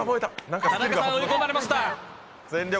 田中さん、追い込まれました。